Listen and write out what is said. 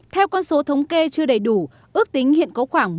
theo con số thống kê chưa đầy đủ ước tính hiện có khoảng